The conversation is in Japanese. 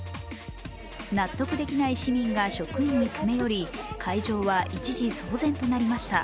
納得できない市民が職員に詰め寄り、会場は一時、騒然となりました。